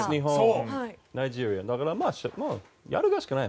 だから、やるしかない。